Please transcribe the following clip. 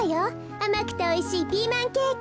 あまくておいしいピーマンケーキ。